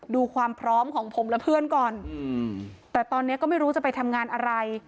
ดูความพร้อมของผมและเพื่อนก่อนแต่ตอนนี้ก็ไม่รู้จะไปทำงานอะไร